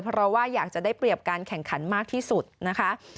เพราะว่าอยากจะได้เปรียบการแข่งขันมากที่สุดนะคะ